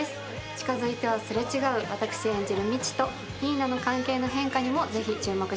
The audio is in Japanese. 近づいてはすれ違う私演じるみちと新名の関係の変化にもぜひ注目してみてください。